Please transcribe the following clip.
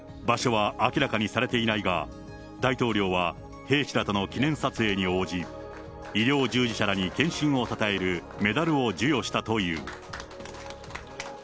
場所は明らかにされていないが、大統領は兵士らとの記念撮影に応じ、医療従事者らに献身をたたえるメダルを授与したという。